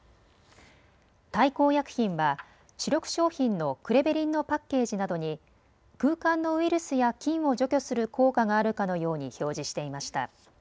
大幸薬品は主力商品のクレベリンのパッケージなどに空間のウイルスや菌を除去する効果があるかのように表示していました。